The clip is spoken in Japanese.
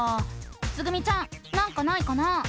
つぐみちゃんなんかないかな？